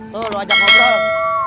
tuh lu ajak ngobrol